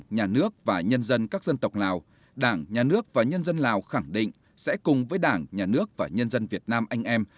đảng nhà nước và nhân dân các dân tộc lào đảng nhà nước và nhân dân lào khẳng định sẽ cùng với đảng nhà nước và nhân dân việt nam anh em